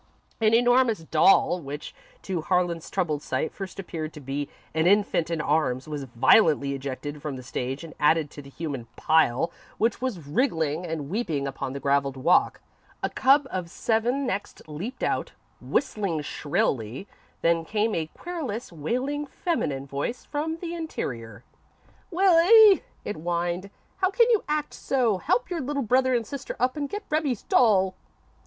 An enormous doll, which to Harlan's troubled sight first appeared to be an infant in arms, was violently ejected from the stage and added to the human pile which was wriggling and weeping upon the gravelled walk. A cub of seven next leaped out, whistling shrilly, then came a querulous, wailing, feminine voice from the interior. "Willie," it whined, "how can you act so? Help your little brother and sister up and get Rebbie's doll."